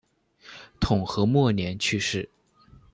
统和末年去世。